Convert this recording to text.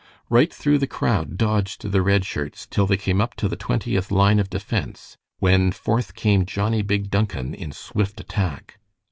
Right through the crowd dodged the Red Shirts till they came up to the Twentieth line of defense, when forth came Johnnie Big Duncan in swift attack.